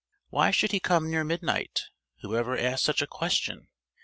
Why he should come near midnight who ever asked such a question?